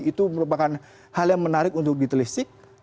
itu merupakan hal yang menarik untuk ditelisik